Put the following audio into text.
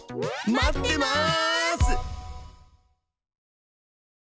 待ってます！